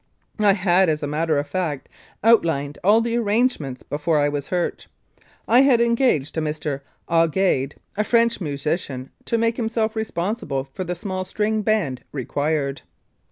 I had, as a matter of fact, outlined all the arrangements before I was hurt. I had engaged a Mr. Augade, a French musician, to make himself responsible for the small string band required.